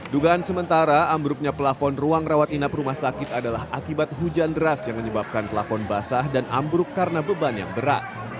dugaan sementara ambruknya pelafon ruang rawat inap rumah sakit adalah akibat hujan deras yang menyebabkan pelafon basah dan ambruk karena beban yang berat